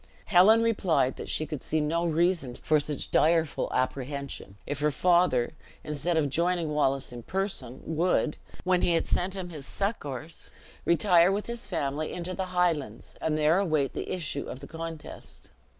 Helen replied that she could see no reason for such direful apprehension, if her father, instead of joining Wallace in person, would, when he had sent him succors, retire with his family into the Highlands, and there await the issue of the contest.